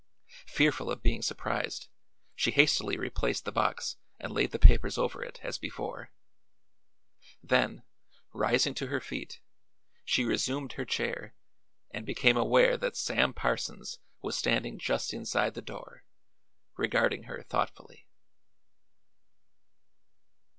Fearful of being surprised, she hastily replaced the box and laid the papers over it, as before; then, rising to her feet, she resumed her chair and became aware that Sam Parsons was standing just inside the door, regarding her thoughtfully.